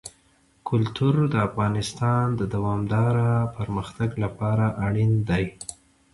کلتور د افغانستان د دوامداره پرمختګ لپاره اړین دي.